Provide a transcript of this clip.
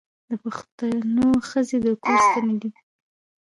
د پښتنو ښځې د کور ستنې دي.